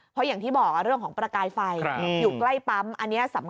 เพราะอย่างที่บอกเรื่องของประกายไฟอยู่ใกล้ปั๊ม